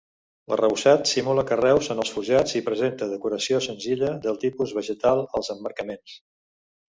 L'arrebossat simula carreus en els forjats i presenta decoració senzilla de tipus vegetal als emmarcaments.